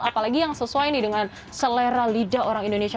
apalagi yang sesuai nih dengan selera lidah orang indonesia